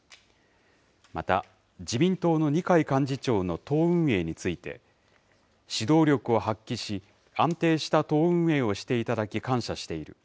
また、自民党の二階幹事長の党運営について、指導力を発揮し、安定した党運営をしていただき感謝している。